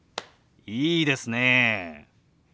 いいですねえ。